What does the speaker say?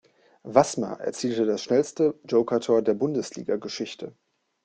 Wassmer erzielte das schnellste Joker-Tor der Bundesligageschichte.